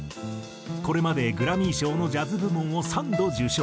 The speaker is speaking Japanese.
これまでグラミー賞のジャズ部門を３度受賞。